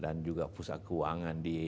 dan juga pusat keuangan di singapura